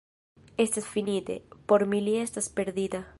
Estas finite: por mi li estas perdita!